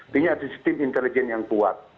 punya sistem intelijen yang kuat